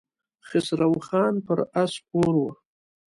خسرو خان پر آس سپور و.